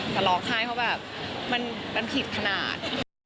แต่ฝ่ายเพราะว่ามันผิดขนาด